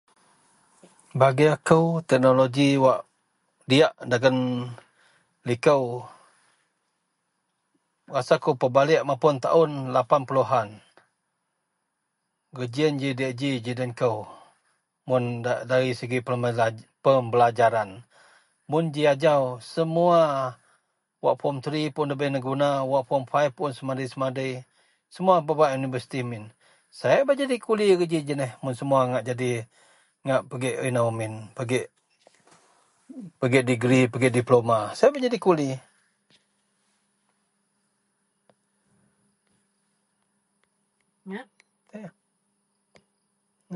bagi akou teknologi wak diyak dagen liko, rasa kou pebaliek mapun taun lapanpuluhan, geji ien ji diayak ji den kou, mun dari segi penbela pembelajaran, mun ji ajau semua wak form tree pun debei neguna wak form five mun semandi- semadi, semua pebak universiti min, sai a bak jadi kuli geji ji neh mun semua ngak jadi pigek inou min pigek digree pigek diploma, sai bak jadi kuli